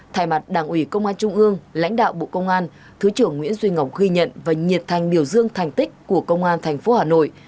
thay mặt đảng ủy công an trung ương lãnh đạo bộ công an thứ trưởng nguyễn duy ngọc ghi nhận và nhiệt thành biểu dương thành tích của công an tp hà nội